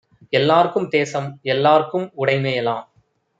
எல்லார்க்கும் தேசம், எல்லார்க்கும் உடைமைஎலாம்